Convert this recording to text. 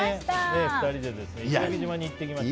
２人で石垣島に行ってきました。